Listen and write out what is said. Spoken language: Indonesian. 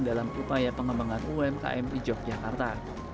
dalam upaya pengembangan umkm di yogyakarta